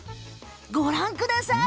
ご覧ください！